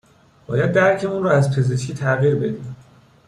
باید درکمون رو از پزشکی تغییر بدیم